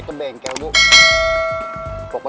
hai eh guys